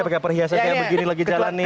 pakai perhiasan kayak begini lagi jalan nih